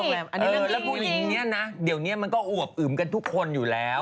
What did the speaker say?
แล้วผู้หญิงเนี่ยนะเดี๋ยวนี้มันก็อวบอึมกันทุกคนอยู่แล้ว